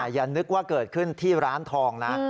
อย่านึกว่าเกิดขึ้นที่ร้านทองนะ